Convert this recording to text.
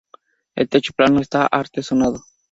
El techo plano está artesonado.